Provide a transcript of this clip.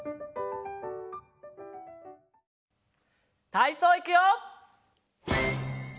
たいそういくよ！